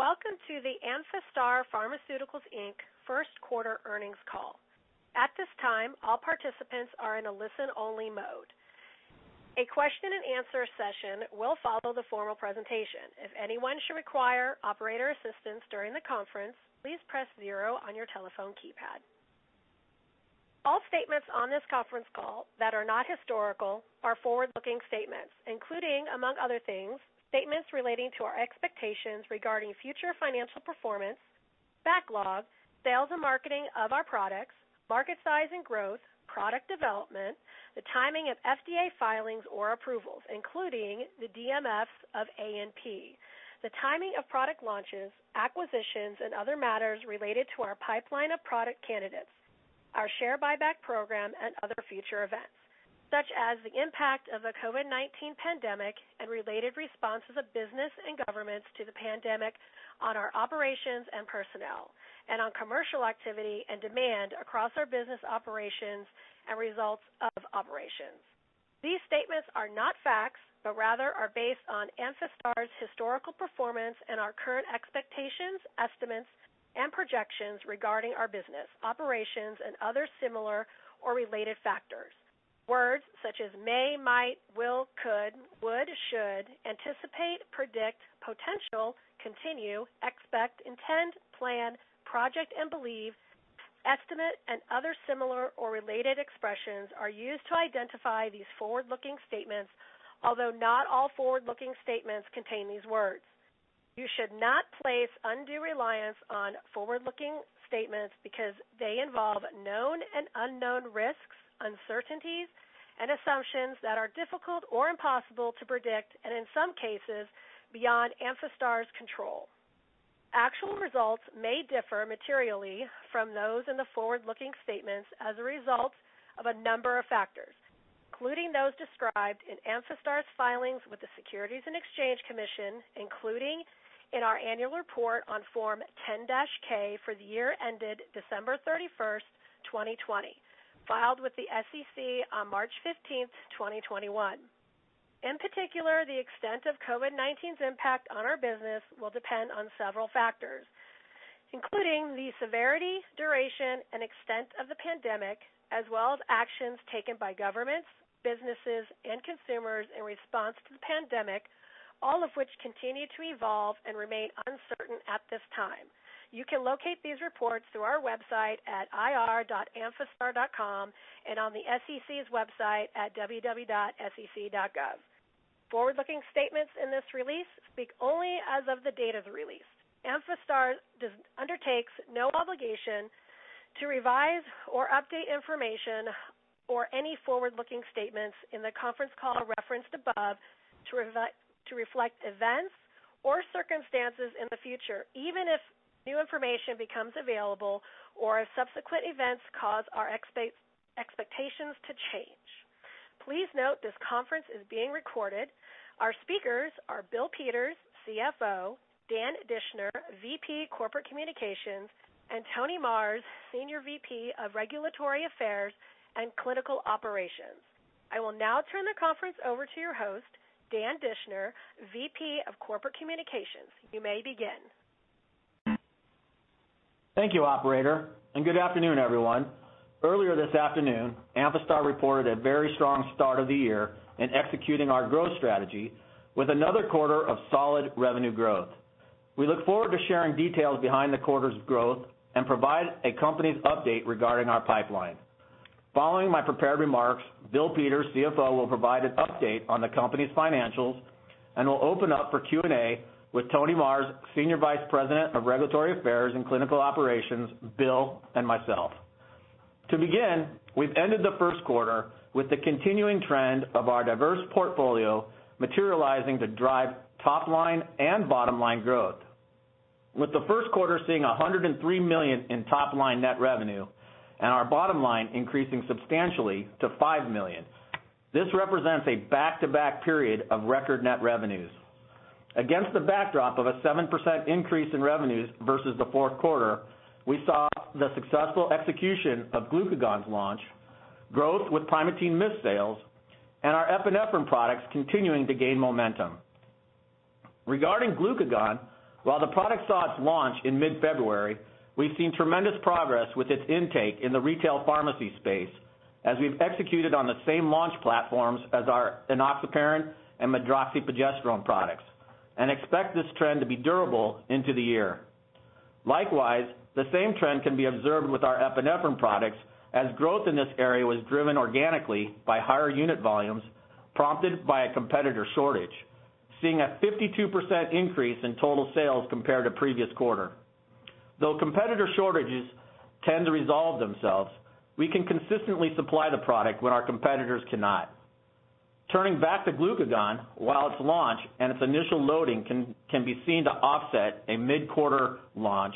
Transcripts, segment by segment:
Welcome to the Amphastar Pharmaceuticals, Inc. First Quarter Earnings Call. At this time, all participants are in a listen-only mode. A question and answer session will follow the formal presentation. If anyone should require operator assistance during the conference, please press zero on your telephone keypad. All statements on this conference call that are not historical are forward-looking statements, including, among other things, statements relating to our expectations regarding future financial performance, backlog, sales and marketing of our products, market size and growth, product development, the timing of FDA filings or approvals, including the DMF of ANP, the timing of product launches, acquisitions, and other matters related to our pipeline of product candidates, our share buyback program, and other future events, such as the impact of the COVID-19 pandemic and related responses of business and governments to the pandemic on our operations and personnel, and on commercial activity and demand across our business operations and results of operations. These statements are not facts, but rather are based on Amphastar's historical performance and our current expectations, estimates, and projections regarding our business, operations, and other similar or related factors. Words such as may, might, will, could, would, should, anticipate, predict, potential, continue, expect, intend, plan, project and believe, estimate, and other similar or related expressions are used to identify these forward-looking statements, although not all forward-looking statements contain these words. You should not place undue reliance on forward-looking statements because they involve known and unknown risks, uncertainties, and assumptions that are difficult or impossible to predict, and in some cases, beyond Amphastar's control. Actual results may differ materially from those in the forward-looking statements as a result of a number of factors, including those described in Amphastar's filings with the Securities and Exchange Commission, including in our annual report on Form 10-K for the year ended December 31, 2020, filed with the SEC on March 15, 2021. In particular, the extent of COVID-19's impact on our business will depend on several factors, including the severity, duration, and extent of the pandemic, as well as actions taken by governments, businesses, and consumers in response to the pandemic, all of which continue to evolve and remain uncertain at this time. You can locate these reports through our website at ir.amphastar.com and on the SEC's website at www.sec.gov. Forward-looking statements in this release speak only as of the date of the release. Amphastar undertakes no obligation to revise or update information or any forward-looking statements in the conference call referenced above to reflect events or circumstances in the future, even if new information becomes available or if subsequent events cause our expectations to change. Please note this conference is being recorded. Our speakers are William J. Peters, CFO, Dan Dischner, VP Corporate Communications, and Tony Marrs, Senior VP of Regulatory Affairs and Clinical Operations. I will now turn the conference over to your host, Dan Dischner, VP of Corporate Communications. You may begin. Thank you, operator. Good afternoon, everyone. Earlier this afternoon, Amphastar reported a very strong start of the year in executing our growth strategy with another quarter of solid revenue growth. We look forward to sharing details behind the quarter's growth and provide a company's update regarding our pipeline. Following my prepared remarks, Bill Peters, CFO, will provide an update on the company's financials and will open up for Q&A with Tony Marrs, Senior Vice President of Regulatory Affairs and Clinical Operations, Bill, and myself. To begin, we've ended the first quarter with the continuing trend of our diverse portfolio materializing to drive top line and bottom line growth, with the first quarter seeing $103 million in top line net revenue and our bottom line increasing substantially to $5 million. This represents a back-to-back period of record net revenues. Against the backdrop of a 7% increase in revenues versus the fourth quarter, we saw the successful execution of glucagon's launch, growth with Primatene MIST sales, and our epinephrine products continuing to gain momentum. Regarding glucagon, while the product saw its launch in mid-February, we've seen tremendous progress with its intake in the retail pharmacy space as we've executed on the same launch platforms as our enoxaparin and medroxyprogesterone products, and expect this trend to be durable into the year. Likewise, the same trend can be observed with our epinephrine products, as growth in this area was driven organically by higher unit volumes prompted by a competitor shortage, seeing a 52% increase in total sales compared to previous quarter. Though competitor shortages tend to resolve themselves, we can consistently supply the product when our competitors cannot. Turning back to glucagon, while its launch and its initial loading can be seen to offset a mid-quarter launch,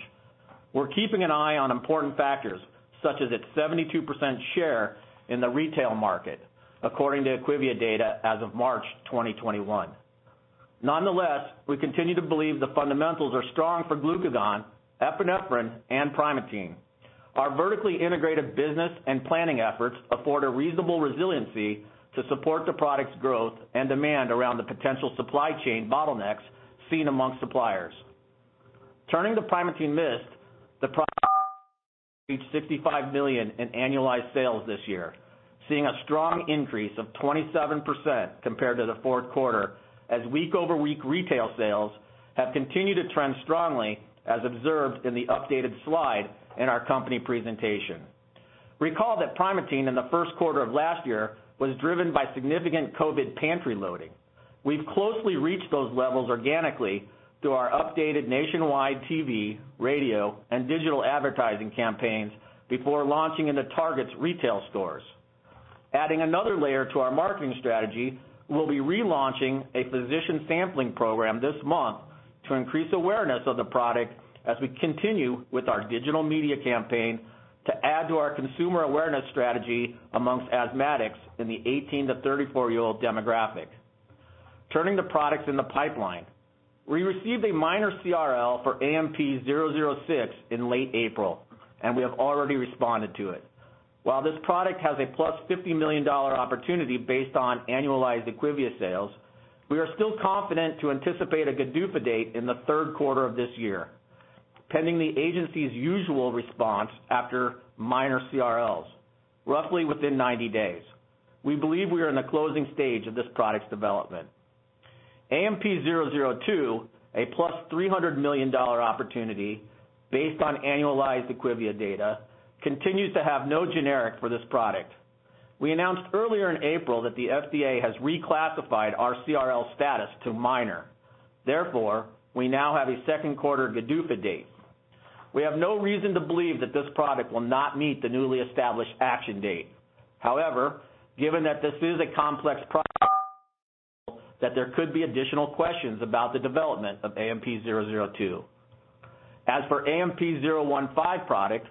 we're keeping an eye on important factors such as its 72% share in the retail market, according to IQVIA data as of March 2021. Nonetheless, we continue to believe the fundamentals are strong for glucagon, epinephrine, and Primatene. Our vertically integrated business and planning efforts afford a reasonable resiliency to support the product's growth and demand around the potential supply chain bottlenecks seen amongst suppliers. Turning to Primatene MIST, the product reached $65 million in annualized sales this year, seeing a strong increase of 27% compared to the fourth quarter, as week-over-week retail sales have continued to trend strongly as observed in the updated slide in our company presentation. Recall that Primatene in the first quarter of last year was driven by significant COVID pantry loading. We've closely reached those levels organically through our updated nationwide TV, radio, and digital advertising campaigns before launching into Target's retail stores. Adding another layer to our marketing strategy, we'll be relaunching a physician sampling program this month to increase awareness of the product as we continue with our digital media campaign to add to our consumer awareness strategy amongst asthmatics in the 18 to 34-year-old demographic. Turning to products in the pipeline. We received a minor CRL for AMP-006 in late April, and we have already responded to it. While this product has a +$50 million opportunity based on annualized IQVIA sales, we are still confident to anticipate a GDUFA date in the third quarter of this year. Pending the agency's usual response after minor CRLs, roughly within 90 days. We believe we are in the closing stage of this product's development. AMP-002, a +$300 million opportunity based on annualized IQVIA data, continues to have no generic for this product. We announced earlier in April that the FDA has reclassified our CRL status to minor. We now have a second quarter GDUFA date. We have no reason to believe that this product will not meet the newly established action date. Given that this is a complex product, that there could be additional questions about the development of AMP-002. As for AMP-015 product,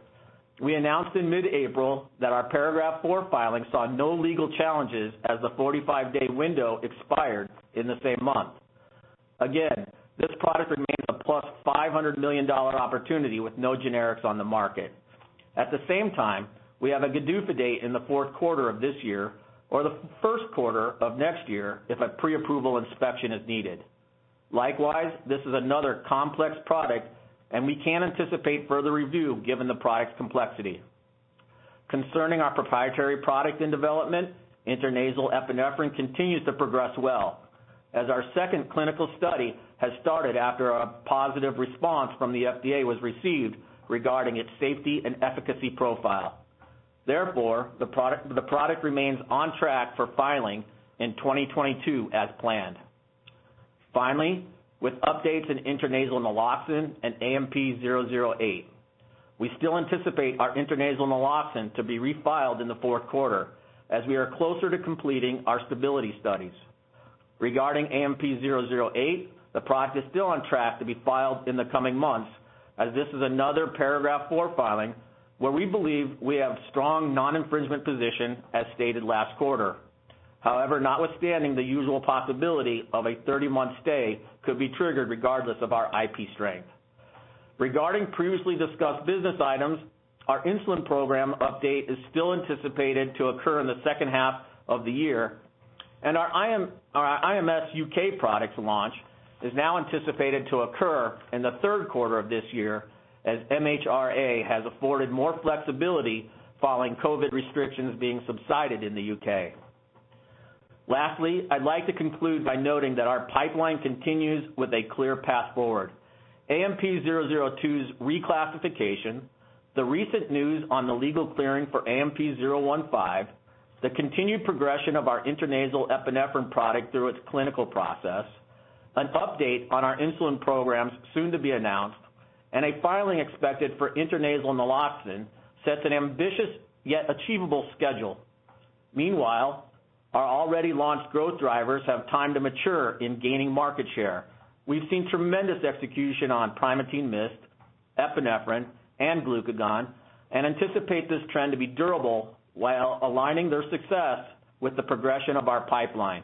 we announced in mid-April that our Paragraph IV filing saw no legal challenges as the 45-day window expired in the same month. This product remains a +$500 million opportunity with no generics on the market. We have a GDUFA date in the fourth quarter of this year or the first quarter of next year if a pre-approval inspection is needed. Likewise, this is another complex product, and we can anticipate further review given the product's complexity. Concerning our proprietary product in development, intranasal epinephrine continues to progress well, as our second clinical study has started after a positive response from the FDA was received regarding its safety and efficacy profile. The product remains on track for filing in 2022 as planned. With updates in intranasal naloxone and AMP-008. We still anticipate our intranasal naloxone to be refiled in the fourth quarter as we are closer to completing our stability studies. Regarding AMP-008, the product is still on track to be filed in the coming months, as this is another Paragraph IV filing where we believe we have strong non-infringement position as stated last quarter. Notwithstanding the usual possibility of a 30-month stay could be triggered regardless of our IP strength. Regarding previously discussed business items, our insulin program update is still anticipated to occur in the second half of the year, and our IMS U.K. product launch is now anticipated to occur in the third quarter of this year, as MHRA has afforded more flexibility following COVID restrictions being subsided in the U.K. Lastly, I'd like to conclude by noting that our pipeline continues with a clear path forward. AMP-002's reclassification, the recent news on the legal clearing for AMP-015, the continued progression of our intranasal epinephrine product through its clinical process, an update on our insulin programs soon to be announced, and a filing expected for intranasal naloxone sets an ambitious yet achievable schedule. Meanwhile, our already launched growth drivers have time to mature in gaining market share. We've seen tremendous execution on Primatene MIST, epinephrine, and glucagon. We anticipate this trend to be durable while aligning their success with the progression of our pipeline,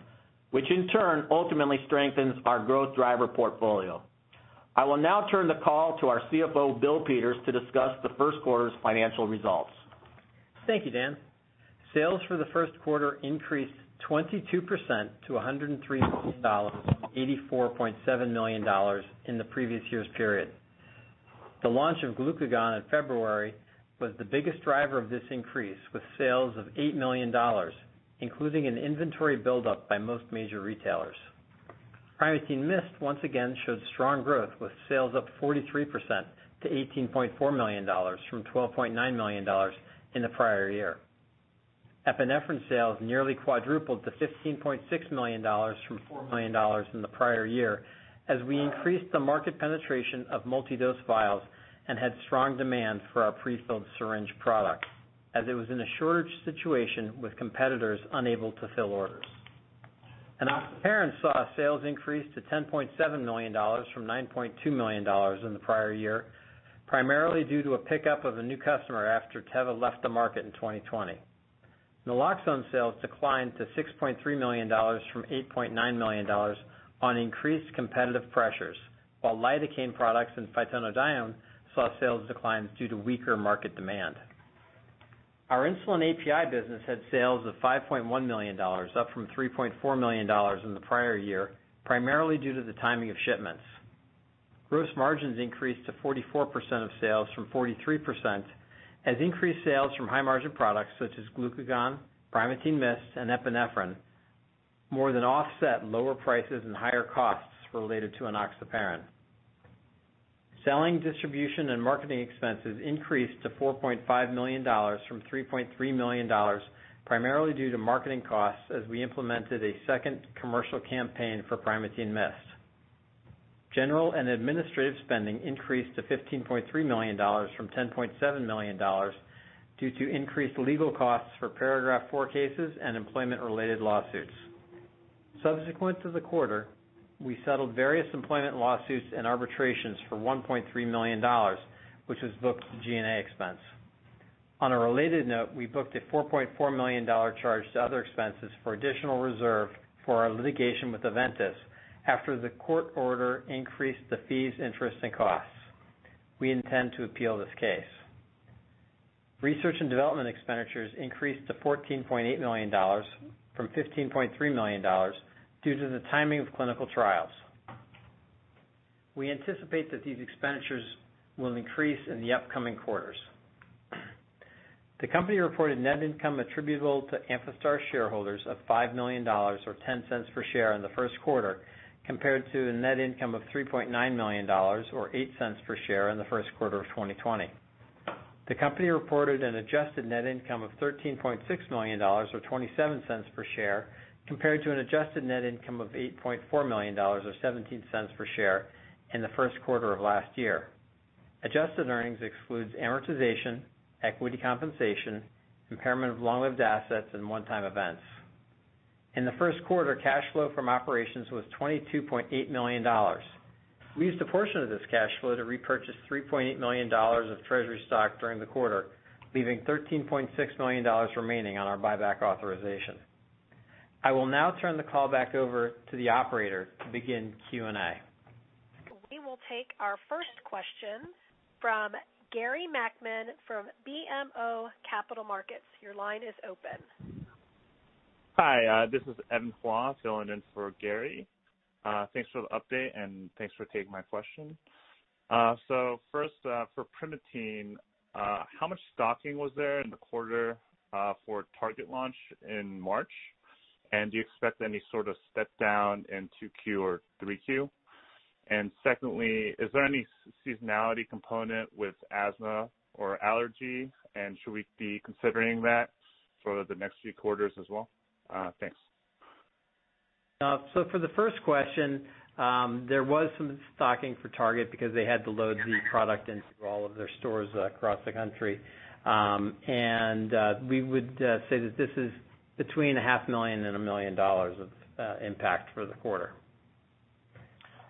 which in turn ultimately strengthens our growth driver portfolio. I will now turn the call to our CFO, Bill Peters, to discuss the first quarter's financial results. Thank you, Dan. Sales for the first quarter increased 22% to $103 million, $84.7 million in the previous year's period. The launch of glucagon in February was the biggest driver of this increase, with sales of $8 million, including an inventory buildup by most major retailers. Primatene MIST once again showed strong growth, with sales up 43% to $18.4 million from $12.9 million in the prior year. Epinephrine sales nearly quadrupled to $15.6 million from $4 million in the prior year as we increased the market penetration of multi-dose vials and had strong demand for our prefilled syringe product, as it was in a shortage situation with competitors unable to fill orders. saw a sales increase to $10.7 million from $9.2 million in the prior year, primarily due to a pickup of a new customer after Teva left the market in 2020. naloxone sales declined to $6.3 million from $8.9 million on increased competitive pressures. While lidocaine products and phytonadione saw sales declines due to weaker market demand. Our insulin API business had sales of $5.1 million, up from $3.4 million in the prior year, primarily due to the timing of shipments. Gross margins increased to 44% of sales from 43%, as increased sales from high-margin products such as glucagon, Primatene MIST, and epinephrine more than offset lower prices and higher costs related to enoxaparin. Selling, distribution, and marketing expenses increased to $4.5 million from $3.3 million, primarily due to marketing costs as we implemented a second commercial campaign for Primatene MIST. General and administrative spending increased to $15.3 million from $10.7 million due to increased legal costs for Paragraph IV cases and employment-related lawsuits. Subsequent to the quarter, we settled various employment lawsuits and arbitrations for $1.3 million, which was booked to G&A expense. On a related note, we booked a $4.4 million charge to other expenses for additional reserve for our litigation with Aventis, after the court order increased the fees, interest, and costs. We intend to appeal this case. Research and development expenditures increased to $14.8 million from $15.3 million due to the timing of clinical trials. We anticipate that these expenditures will increase in the upcoming quarters. The company reported net income attributable to Amphastar shareholders of $5 million, or $0.10 per share in the first quarter, compared to the net income of $3.9 million or $0.08 per share in the first quarter of 2020. The company reported an adjusted net income of $13.6 million or $0.27 per share, compared to an adjusted net income of $8.4 million or $0.17 per share in the first quarter of last year. Adjusted earnings excludes amortization, equity compensation, impairment of long-lived assets, and one-time events. In the first quarter, cash flow from operations was $22.8 million. We used a portion of this cash flow to repurchase $3.8 million of Treasury stock during the quarter, leaving $13.6 million remaining on our buyback authorization. I will now turn the call back over to the operator to begin Q&A. We will take our first question from Gary Nachman from BMO Capital Markets. Your line is open. Hi. This is Evan Hua filling in for Gary. Thanks for the update and thanks for taking my question. First, for Primatene, how much stocking was there in the quarter for Target launch in March? Do you expect any sort of step down in 2Q or 3Q? Secondly, is there any seasonality component with asthma or allergy? Should we be considering that for the next few quarters as well? Thanks. For the first question, there was some stocking for Target because they had to load the product into all of their stores across the country. We would say that this is between a $500,000 and $1 million of impact for the quarter.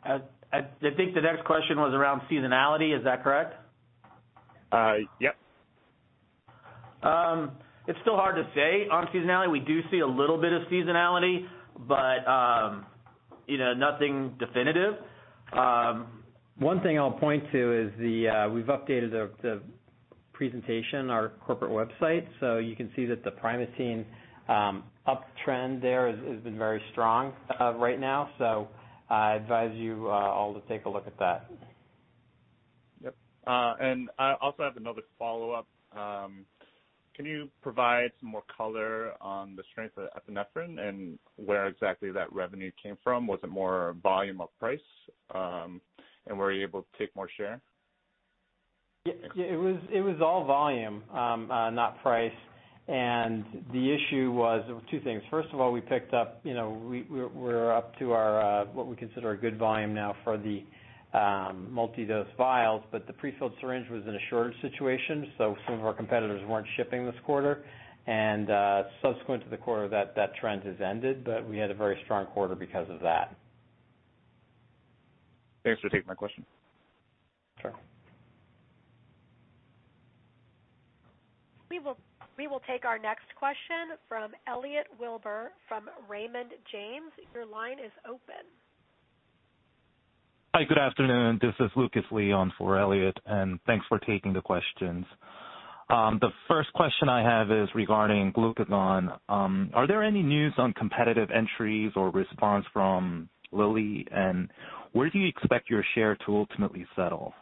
I think the next question was around seasonality. Is that correct? Yes. It's still hard to say on seasonality. We do see a little bit of seasonality, but nothing definitive. One thing I'll point to is we've updated the presentation on our corporate website, so you can see that the Primatene uptrend there has been very strong right now. I advise you all to take a look at that. Yep. I also have another follow-up. Can you provide some more color on the strength of epinephrine and where exactly that revenue came from? Was it more volume or price? Were you able to take more share? It was all volume, not price. The issue was two things. First of all, we're up to what we consider a good volume now for the multi-dose vials, but the prefilled syringe was in a shortage situation, so some of our competitors weren't shipping this quarter. Subsequent to the quarter, that trend has ended, but we had a very strong quarter because of that. Thanks for taking my question. Sure. We will take our next question from Elliot Wilbur from Raymond James. Your line is open. Hi, good afternoon. This is Lucas Lee on for Elliot. Thanks for taking the questions. The first question I have is regarding glucagon. Are there any news on competitive entries or response from Lilly? Where do you expect your share to ultimately settle?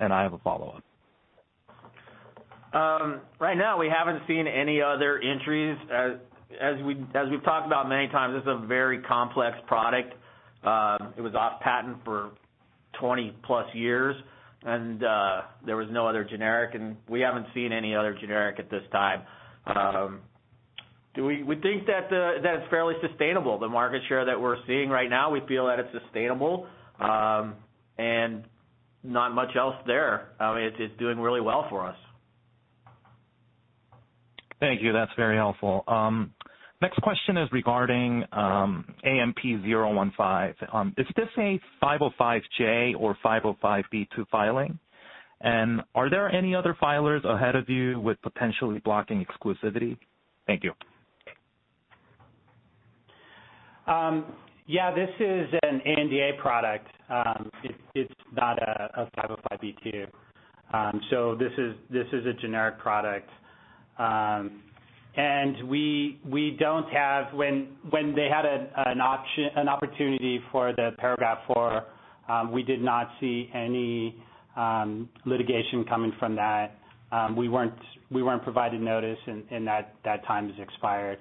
I have a follow-up. Right now, we haven't seen any other entries. As we've talked about many times, this is a very complex product. It was off patent for 20+ years, and there was no other generic, and we haven't seen any other generic at this time. We think that it's fairly sustainable. The market share that we're seeing right now, we feel that it's sustainable, and not much else there. It's doing really well for us. Thank you. That's very helpful. Next question is regarding AMP-015. Is this a 505(j) or 505(b)(2) filing? Are there any other filers ahead of you with potentially blocking exclusivity? Thank you. Yeah, this is an NDA product. It's not a 505(b)(2). This is a generic product. When they had an opportunity for the Paragraph IV, we did not see any litigation coming from that. We weren't provided notice, and that time has expired.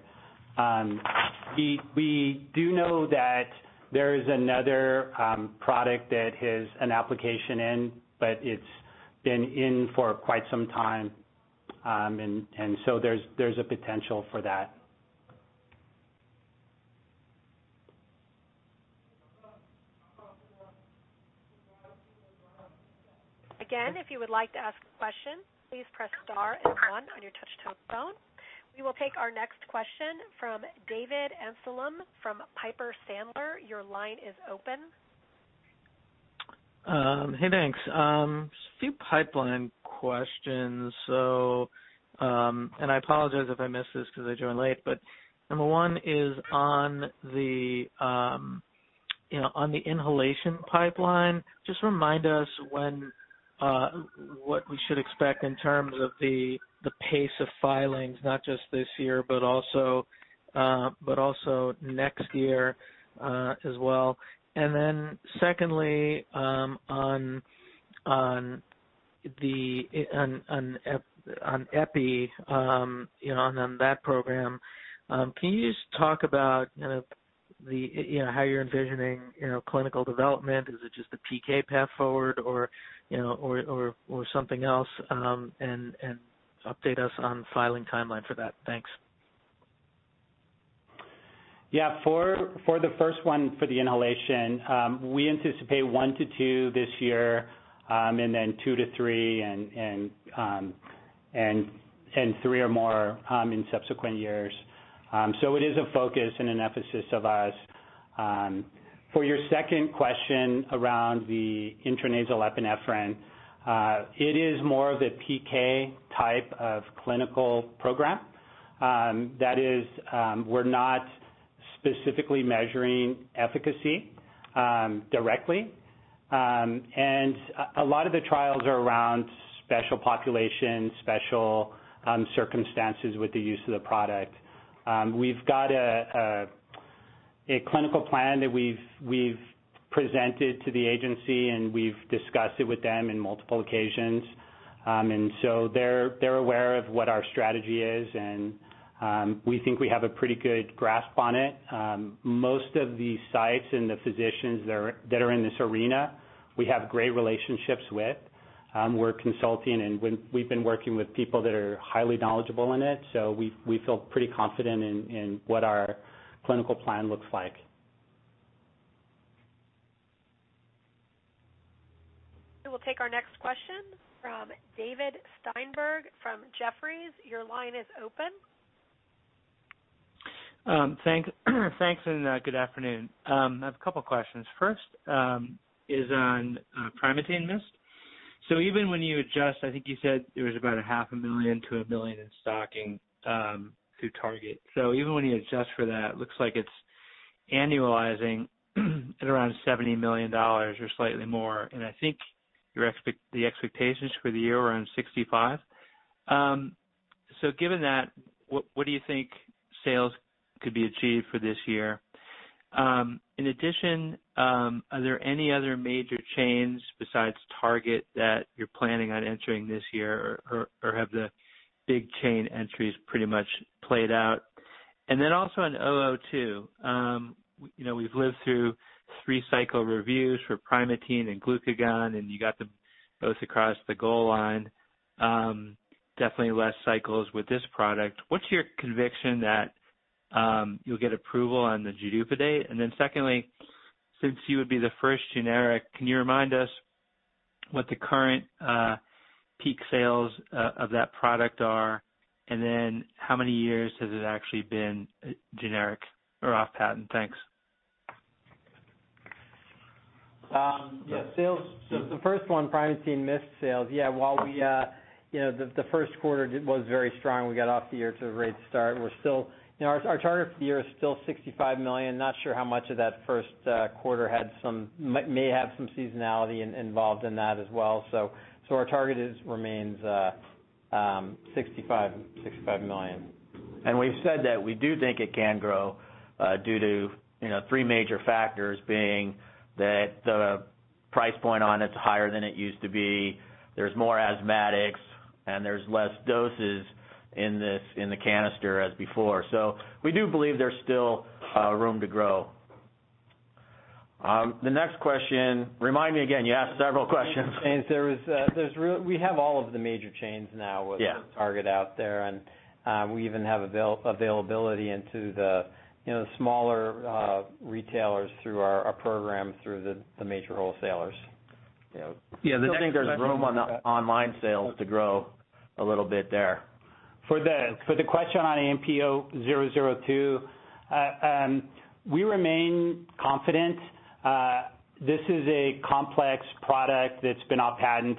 We do know that there is another product that has an application in, but it's been in for quite some time. There's a potential for that. We will take our next question from David Amsellem from Piper Sandler. Hey, thanks. Just a few pipeline questions. I apologize if I missed this because I joined late. Number one is on the inhalation pipeline. Just remind us what we should expect in terms of the pace of filings, not just this year, but also next year as well. Secondly, on Epi, on that program, can you just talk about how you're envisioning clinical development? Is it just a PK path forward or something else? Update us on filing timeline for that. Thanks. For the first one, for the inhalation, we anticipate one to two this year, and then two to three and three or more in subsequent years. It is a focus and an emphasis of ours. For your second question around the intranasal epinephrine, it is more of a PK type of clinical program. That is, we're not specifically measuring efficacy directly. A lot of the trials are around special populations, special circumstances with the use of the product. We've got a clinical plan that we've presented to the agency, and we've discussed it with them in multiple occasions. They're aware of what our strategy is, and we think we have a pretty good grasp on it. Most of the sites and the physicians that are in this arena, we have great relationships with. We're consulting, and we've been working with people that are highly knowledgeable in it. We feel pretty confident in what our clinical plan looks like. We will take our next question from David Steinberg from Jefferies. Your line is open. Thanks, good afternoon. I have a couple of questions. First is on Primatene MIST. Even when you adjust, I think you said it was about a half $500,000 to $1 million in stocking through Target. Even when you adjust for that, looks like it's annualizing at around $70 million or slightly more. I think the expectations for the year were around $65 million. Given that, what do you think sales could be achieved for this year? In addition, are there any other major chains besides Target that you're planning on entering this year? Have the big chain entries pretty much played out? Also on AMP-002. We've lived through three cycle reviews for Primatene MIST and glucagon, and you got both across the goal line. Definitely less cycles with this product. What's your conviction that you'll get approval on the due date? Secondly, since you would be the first generic, can you remind us what the current peak sales of that product are, and then how many years has it actually been generic or off patent? Thanks. Yeah. The first one, Primatene MIST sales. Yeah. The first quarter was very strong. We got off the year to a great start. Our target for the year is still $65 million. Not sure how much of that first quarter may have some seasonality involved in that as well. Our target remains $65 million. We've said that we do think it can grow due to three major factors being that the price point on it is higher than it used to be, there's more asthmatics, and there's less doses in the canister as before. We do believe there's still room to grow. The next question, remind me again. You asked several questions. We have all of the major chains now. Yeah With Target out there, and we even have availability into the smaller retailers through our program, through the major wholesalers. Yeah. I think there's room on the online sales to grow a little bit there. For the question on AMP-002, we remain confident. This is a complex product that's been off patent.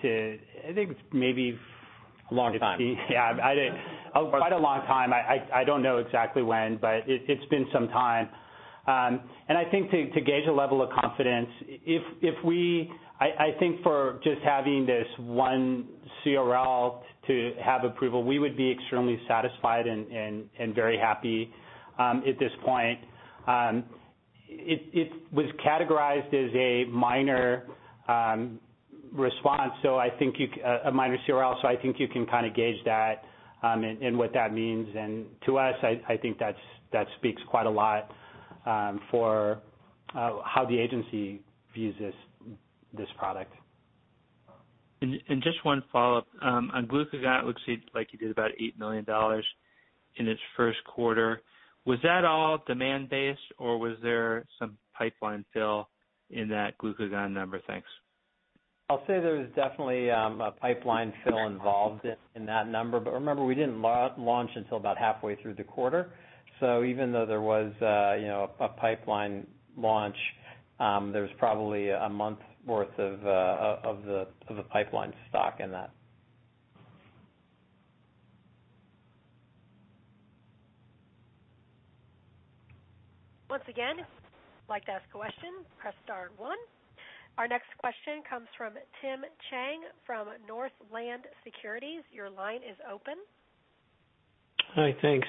A long time. Yeah. Quite a long time. I don't know exactly when, but it's been some time. I think to gauge a level of confidence, I think for just having this one CRL to have approval, we would be extremely satisfied and very happy at this point. It was categorized as a minor response, a minor CRL, so I think you can gauge that and what that means, and to us, I think that speaks quite a lot for how the agency views this product. Just one follow-up. On glucagon, looks like you did about $8 million in its first quarter. Was that all demand-based, or was there some pipeline fill in that glucagon number? Thanks. I'll say there was definitely a pipeline fill involved in that number. Remember, we didn't launch until about halfway through the quarter. Even though there was a pipeline launch, there's probably a month's worth of the pipeline stock in that. Once again, like to ask a question, press star one. Our next question comes from Tim Chiang from Northland Securities. Your line is open. Hi. Thanks.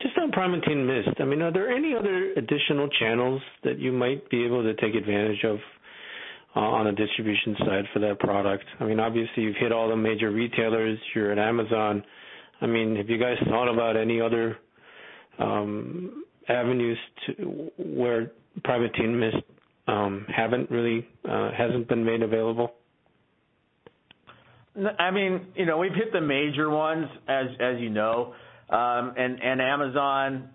Just on Primatene MIST, are there any other additional channels that you might be able to take advantage of on a distribution side for that product? Obviously, you've hit all the major retailers. You're at Amazon. Have you guys thought about any other avenues where Primatene MIST hasn't been made available? We've hit the major ones, as you know. Amazon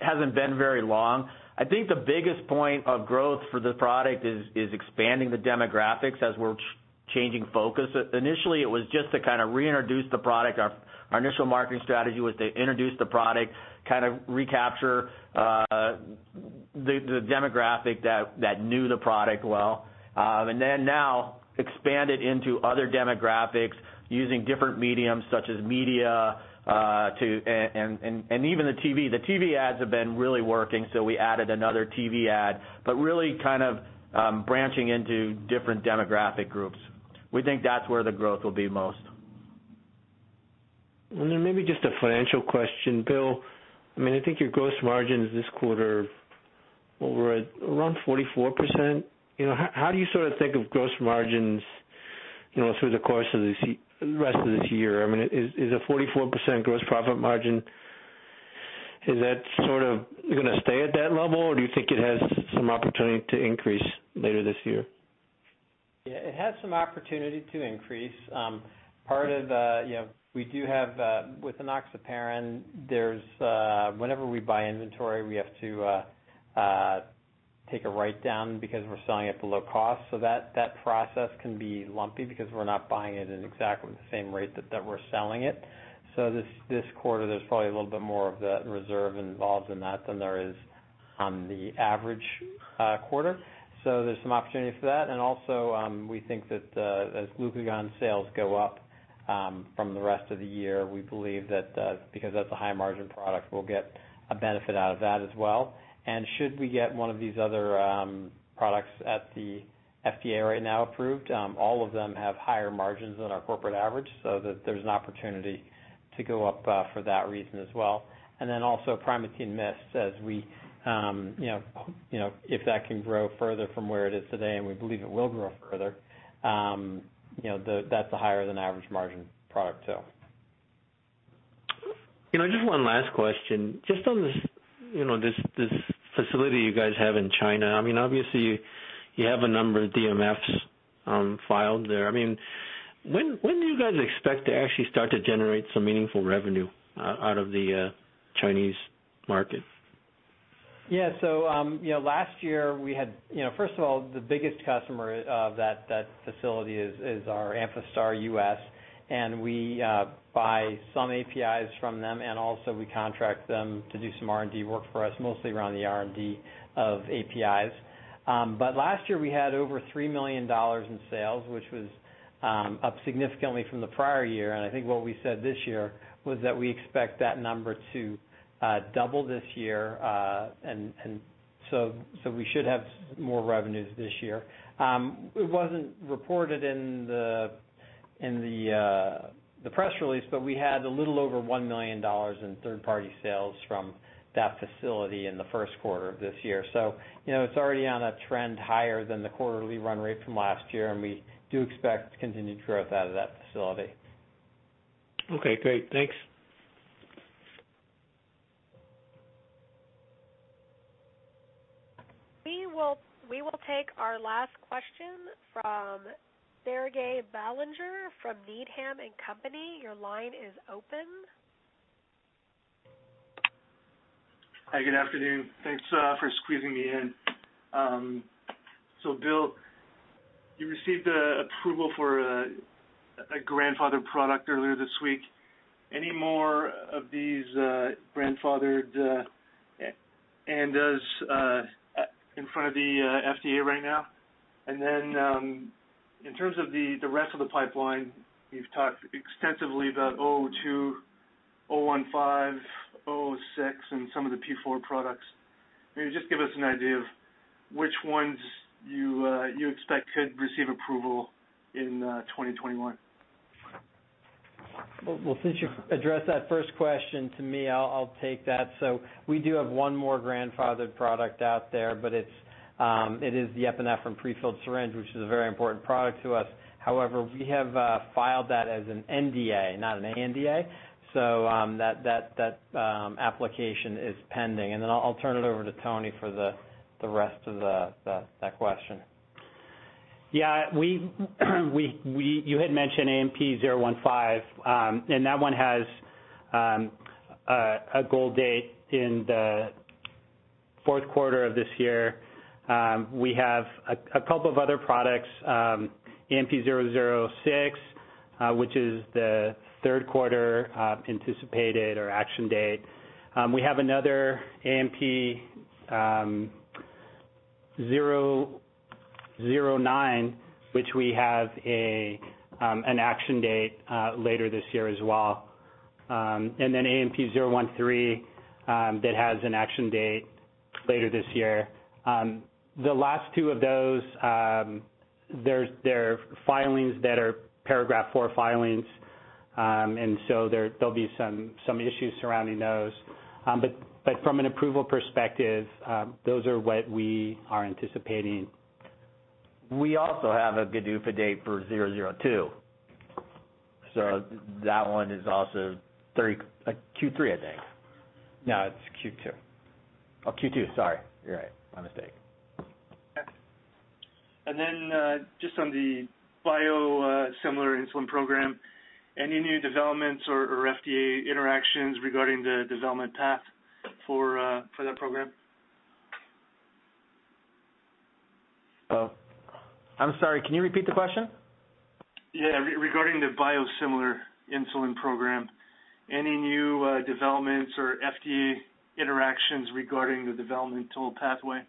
hasn't been very long. I think the biggest point of growth for the product is expanding the demographics as we're changing focus. Initially, it was just to reintroduce the product. Our initial marketing strategy was to introduce the product, kind of recapture the demographic that knew the product well. Then now expand it into other demographics using different mediums such as media, and even the TV. The TV ads have been really working, so we added another TV ad, but really branching into different demographic groups. We think that's where the growth will be most. Maybe just a financial question. Bill, I think your gross margins this quarter were at around 44%. How do you sort of think of gross margins through the course of the rest of this year? Is a 44% gross profit margin, is that going to stay at that level, or do you think it has some opportunity to increase later this year? It has some opportunity to increase. With enoxaparin, whenever we buy inventory, we have to take a write-down because we're selling at the low cost. That process can be lumpy because we're not buying it at exactly the same rate that we're selling it. This quarter, there's probably a little bit more of that reserve involved in that than there is on the average quarter. There's some opportunity for that. Also, we think that as glucagon sales go up from the rest of the year, we believe that because that's a high-margin product, we'll get a benefit out of that as well. Should we get one of these other products at the FDA right now approved, all of them have higher margins than our corporate average, so there's an opportunity to go up for that reason as well. Also Primatene MIST, if that can grow further from where it is today, and we believe it will grow further, that's a higher-than-average margin product too. Just one last question. Just on this facility you guys have in China, obviously you have a number of DMFs filed there. When do you guys expect to actually start to generate some meaningful revenue out of the Chinese market? Yeah. First of all, the biggest customer of that facility is our Amphastar U.S., and we buy some APIs from them, and also we contract them to do some R&D work for us, mostly around the R&D of APIs. Last year, we had over $3 million in sales, which was up significantly from the prior year, and I think what we said this year was that we expect that number to double this year. We should have more revenues this year. It wasn't reported in the press release, but we had a little over $1 million in third-party sales from that facility in the first quarter of this year. It's already on a trend higher than the quarterly run rate from last year, and we do expect continued growth out of that facility. Okay, great. Thanks. We will take our last question from Serge Belanger from Needham & Company. Your line is open. Hi, good afternoon. Thanks for squeezing me in. Bill, you received approval for a grandfathered product earlier this week. Any more of these grandfathered ANDAs in front of the FDA right now? In terms of the rest of the pipeline, you've talked extensively about 002, 015, 006, and some of the P4 products. Can you just give us an idea of which ones you expect could receive approval in 2021? Well, since you addressed that first question to me, I'll take that. We do have one more grandfathered product out there, but it is the epinephrine pre-filled syringe, which is a very important product to us. However, we have filed that as an NDA, not an ANDA. That application is pending, and then I'll turn it over to Tony for the rest of that question. Yeah. You had mentioned AMP-015, that one has a goal date in the fourth quarter of this year. We have a couple of other products, AMP-006, which is the third quarter anticipated or action date. We have another AMP-009, which we have an action date later this year as well. AMP-013 that has an action date later this year. The last two of those, they're filings that are Paragraph IV filings, there'll be some issues surrounding those. From an approval perspective, those are what we are anticipating. We also have a GDUFA date for 002, so that one is also Q3, I think. No, it's Q2. Oh, Q2. Sorry. You're right. My mistake. Okay. Then, just on the biosimilar insulin program, any new developments or FDA interactions regarding the development path for that program? I'm sorry, can you repeat the question? Yeah. Regarding the biosimilar insulin program, any new developments or FDA interactions regarding the developmental pathway?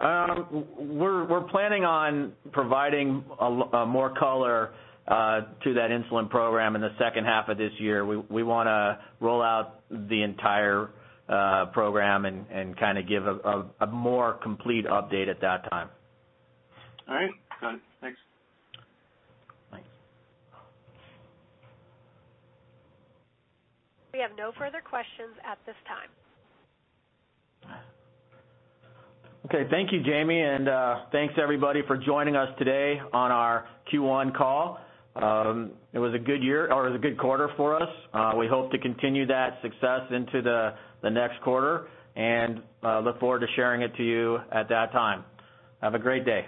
We're planning on providing more color to that insulin program in the second half of this year. We want to roll out the entire program and give a more complete update at that time. All right. Got it. Thanks. Thanks. We have no further questions at this time. Okay. Thank you, Jamie, and thanks, everybody, for joining us today on our Q1 call. It was a good quarter for us. We hope to continue that success into the next quarter, and look forward to sharing it to you at that time. Have a great day.